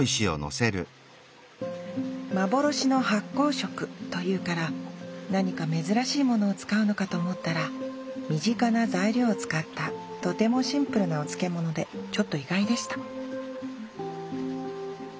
幻の発酵食というから何か珍しいものを使うのかと思ったら身近な材料を使ったとてもシンプルなお漬物でちょっと意外でした